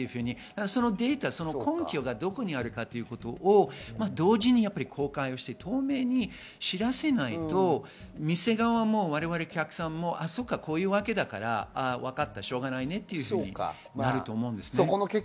そのデータ、根拠がどこにあるのかを同時に公開して透明に知らせないと店側も我々、お客さんもこういうわけだからしょうがないねというふうになると思います。